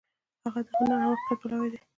هغه د هنر او حقیقت پلوی دی.